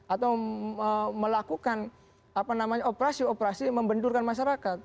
atau melakukan operasi operasi membendurkan masyarakat